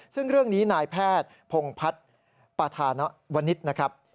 ซึ่งเรื่องนี้นายแพทย์พพวนะครับ